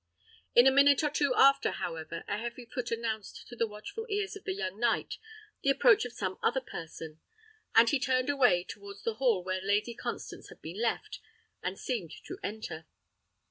In a minute or two after, however, a heavy foot announced to the watchful ears of the young knight the approach of some other person; but he turned away towards the hall where Lady Constance had been left, and seemed to enter.